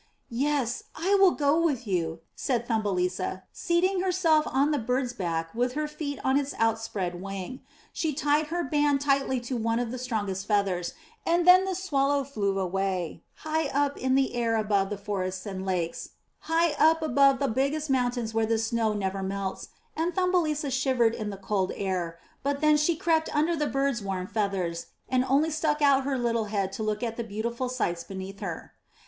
*'Yes, I will go with you," said Thumbelisa, seating herself on the bird's back with her feet on its out spread wing. She tied her band tightly to one of the strongest feathers, and then the Swallow flew away, high up in the air above forests and lakes, high up 427 MY BOOK HOUSE above the biggest mountains where the snow never melts; and ThumbeHsa shivered in the cold air, but then she crept under the bird's warm feathers, and only stuck out her little head to look at the beautiful sights beneath her.